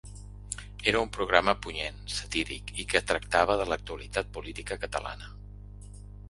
Era un programa punyent, satíric i que tractava de l’actualitat política catalana.